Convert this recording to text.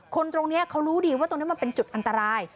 คนตรงนี้เขารู้ดีว่าตรงนี้มันเป็นจุดอันตราย